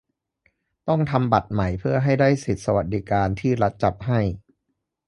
ต้องทำบัตรใหม่เพื่อให้ได้สิทธิ์สวัสดิการที่รัฐจัดให้